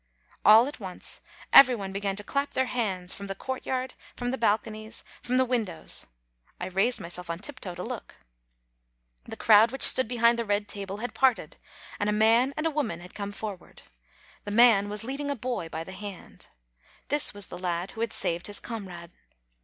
All at once every one began to clap their hands, from the courtyard, from the balconies, from the windows. I raised myself on tiptoe to look. The crowd which stood behind the red table had parted, and a man and woman had come forward. The man was leading a boy by the hand. This was the lad who had saved his comrade.